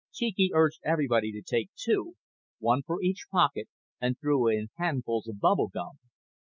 Cheeky urged everybody to take two, one for each pocket, and threw in handfuls of bubble gum.